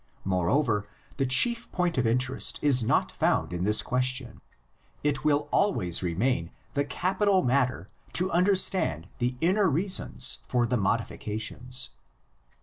Moreover, the chief point of interest is not found in this question; 132 THE LEGENDS OF GENESIS. it will always remain the capital matter to under stand the inner reasons for the modifications.